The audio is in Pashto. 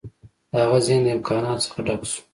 د هغه ذهن د امکاناتو څخه ډک شو